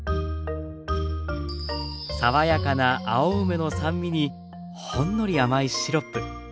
爽やかな青梅の酸味にほんのり甘いシロップ。